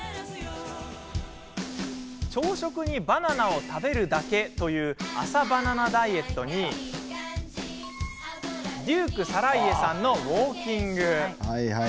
朝食にバナナを食べるだけという朝バナナダイエットやデューク更家さんのウォーキング。